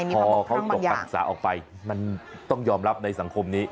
พอเขาจบการศึกษาออกไปมันต้องยอมรับในสังคมนี้